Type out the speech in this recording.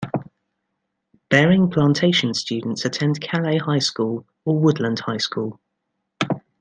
Baring Plantation students attend Calais High School or Woodland High School.